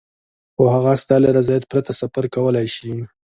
خو هغه ستا له رضایت پرته سفر کولای شي.